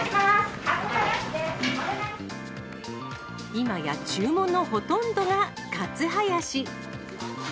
今や注文のほとんどがカツハヤシ。